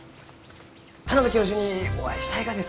田邊教授にお会いしたいがです